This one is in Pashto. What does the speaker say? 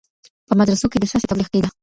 په مدرسو کي د څه سي تبلیغ کیده؟